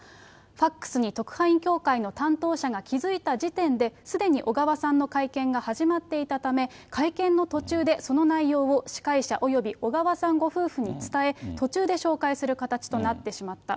ファックスに特派員協会の担当者が気付いた時点で、すでに小川さんの会見が始まっていたため、会見の途中で、その内容を司会者および小川さんご夫婦に伝え、途中で紹介する形となってしまった。